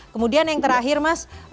kemudian yang terakhir mas